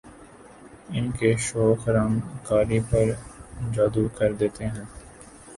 ان کے شوخ رنگ قاری پر جادو کر دیتے ہیں